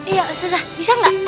iya ustazah bisa gak